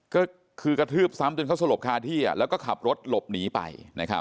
ก็คือกระทืบซ้ำจนเขาสลบคาที่แล้วก็ขับรถหลบหนีไป